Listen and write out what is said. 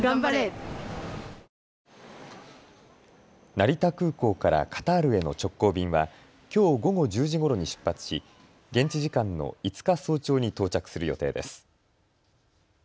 成田空港からカタールへの直行便はきょう午後１０時ごろに出発し、現地時間の５日早朝に到着する予定です。